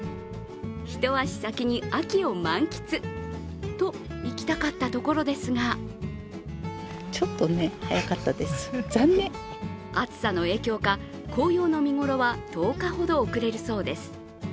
一足先に秋を満喫といきたかったところですが暑さの影響か、紅葉の見頃は１０日ほど遅れるそうです。